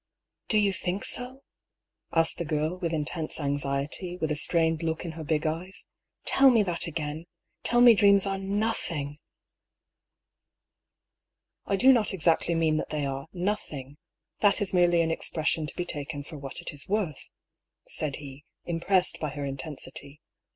" Do you think so ?" asked the girl, with intense anxiety, with a strained look in her big eyes. " Tell me that again ! Tell me dreams are nothing !"" I do not exactly mean that they are nothing^ that is merely an expression to be taken for what it is worth," said he, impressed by her intensity.